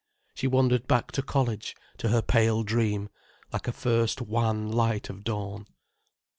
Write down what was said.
She wandered back to college, to her pale dream, like a first wan light of dawn.